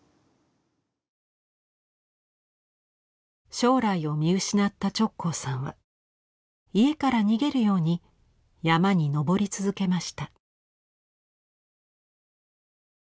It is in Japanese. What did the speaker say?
将来を見失った直行さんは家から逃げるように山に登り続けました。